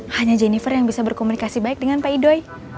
hanya jennifer yang bisa berkomunikasi baik dengan pak idoy